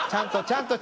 ちゃんと。